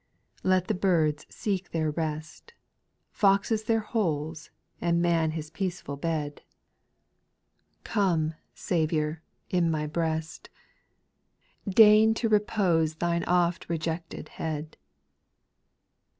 B. Let the birds seek their rest. Foxes their holes, and man his peaceful bed^ 174 SPIRITUAL SONGS, Come, Saviour^ in my breast Deign to repose Thine oft rejected head.